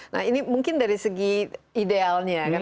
nah ini mungkin dari segi idealnya kan